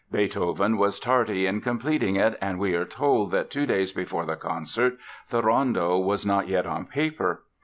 Beethoven was tardy in completing it, and we are told that two days before the concert the Rondo was not yet on paper.